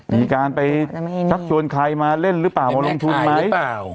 มีการไปชักชวนใครมาเล่นหรือเปล่ามาลงทุนไหม